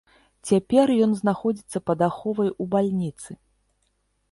Цяпер ён знаходзіцца пад аховай у бальніцы.